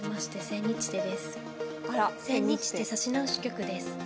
千日手指し直し局です。